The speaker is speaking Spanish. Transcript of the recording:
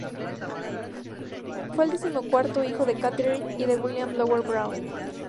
Fue el decimocuarto hijo de Catherine y de William Loder Browne.